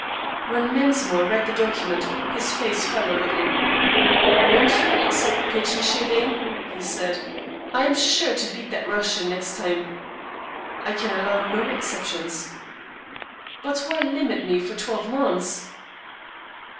When Mensmore read the document his face fell a little. "Won't you except pigeon shooting?" he said. "I am sure to beat that Russian next time." "I can allow no exceptions." "But why limit me for twelve months?"